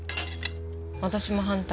私も反対。